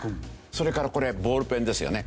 それからこれボールペンですよね。